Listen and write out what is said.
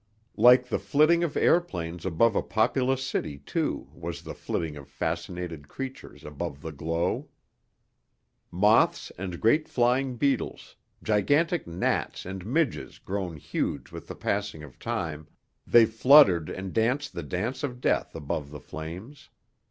Like the flitting of airplanes above a populous city, too, was the flitting of fascinated creatures above the glow. Moths and great flying beetles, gigantic gnats and midges grown huge with the passing of time, they fluttered and danced the dance of death above the flames.